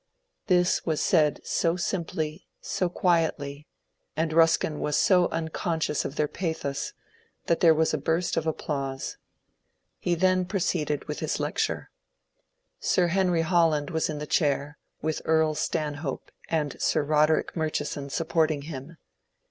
This was said so simply, so quietly, and Ruskin was so un conscious of their pathos, that there was a burst of applause. He then proceeded with his lecture. Sir Henry Holland was in the chair, with Earl Stanhope and Sir Roderick Murchi son supporting him.